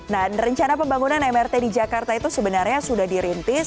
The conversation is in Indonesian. nah rencana pembangunan mrt di jakarta itu sebenarnya sudah dirintis